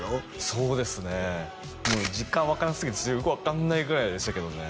そうですねもう実感湧かなすぎてちょっとよく分かんないぐらいでしたけどね